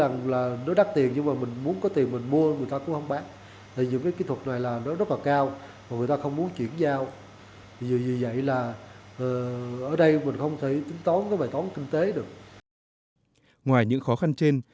ngoài những khó khăn trên